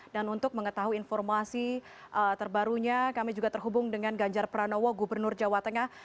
dan untuk mengetahui informasi terbarunya kami juga terhubung dengan ganjar pranowo gubernur jawa tengah